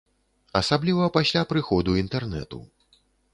Асабліва пасля прыходу інтэрнэту.